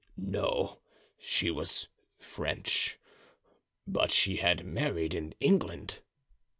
"No, she was French, but she had married in England."